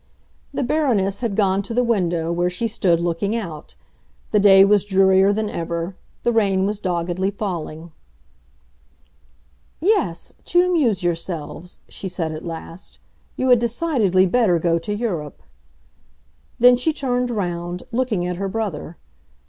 The Baroness had gone to the window, where she stood looking out. The day was drearier than ever; the rain was doggedly falling. "Yes, to amuse yourselves," she said at last, "you had decidedly better go to Europe!" Then she turned round, looking at her brother.